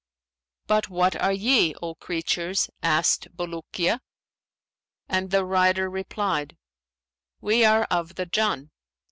'But what are ye, O creatures?' asked Bulukiya; and the rider replied, 'We are of the Jαnn.'